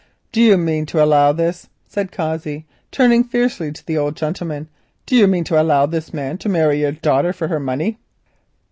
"Do you mean to allow this?" said Cossey, turning fiercely to the old gentleman. "Do you mean to allow this man to marry your daughter for her money?"